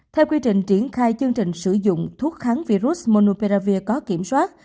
theo quy trình triển khai chương trình sử dụng thuốc kháng virus monopearavir có kiểm soát